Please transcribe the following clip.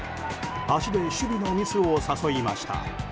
足で守備のミスを誘いました。